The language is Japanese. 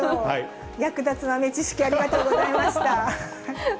役立つ豆知識、ありがとうございました。